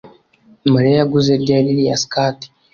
Mariya yaguze ryari iyi skirt